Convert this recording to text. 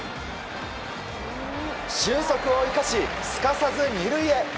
俊足を生かし、すかさず２塁へ。